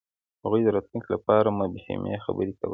هغوی د راتلونکي لپاره مبهمې خبرې کولې.